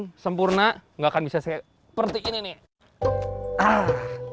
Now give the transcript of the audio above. gak bisa sempurna gak bisa seperti ini nih